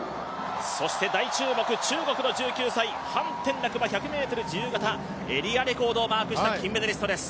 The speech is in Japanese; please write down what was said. そして大注目、中国の１９歳、潘展樂、エリアレコードをマークした金メダリストです。